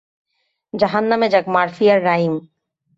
জাহান্নামে যাক মারফি আর রাইম।